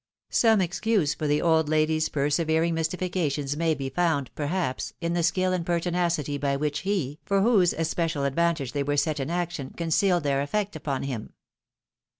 Some excuse for the old lady's persevering mystifications may be found, perhaps, in the skill and pertinacity by which he, for whose especial ad vantage they were set in action, concealed their effect upon him.